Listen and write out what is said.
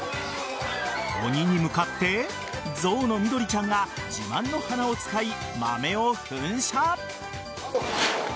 鬼に向かって象のみどりちゃんが自慢の鼻を使い、豆を噴射。